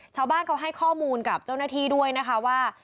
ชาวบ้านเขาให้ข้อมูลกับเจ้าหน้าที่ด้วยนะคะว่า